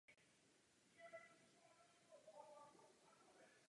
Vlastně nenormální by bylo, kdyby tomu bylo naopak.